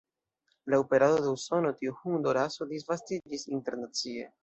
Laŭ perado de Usono tiu hundo-raso disvastiĝis internacie.